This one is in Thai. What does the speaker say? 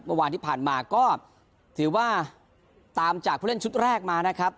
เมื่อวานที่ผ่านมาก็ถือว่าตามจากผู้เล่นชุดแรกมานะครับ